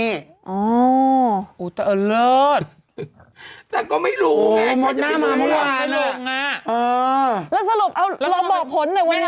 หนูจะเล่านรมหนูจะลงรอยเนอะ